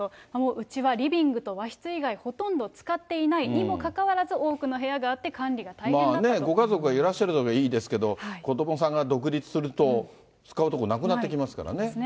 うちはリビングと和室以外、ほとんど使っていないにもかかわらず、多くの部屋があって管理がご家族がいらっしゃるときはいいですけど、子どもさんが独立すると、使う所なくなってきますからね。ですね。